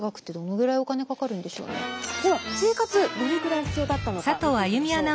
では生活どれぐらい必要だったのか見ていきましょう。